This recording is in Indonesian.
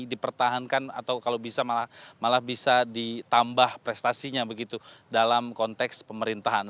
dipertahankan atau kalau bisa malah bisa ditambah prestasinya begitu dalam konteks pemerintahan